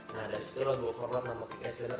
nah dari situ lagu format nama pki sandar